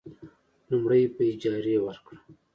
لومړی: په اجارې ورکړه.